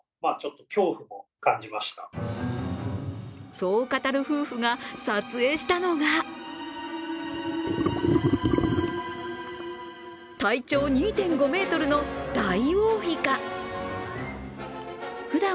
そう語る夫婦が撮影したのが体長２．５ｍのダイオウイカ。